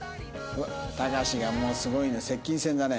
たかしがもうすごいね接近戦だね。